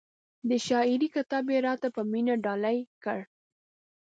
د شاعرۍ کتاب یې را ته په مینه ډالۍ کړ.